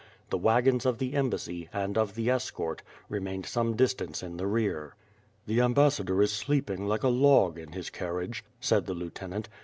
The wagons of the em bassy, and of the escort, remained some distance in the rear. "The ambassador is sleeping like a log in his carriage," said the lieutenant.